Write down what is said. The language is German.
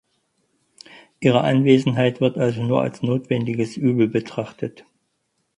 Ihre Anwesenheit wird also nur als notwendiges Übel betrachtet.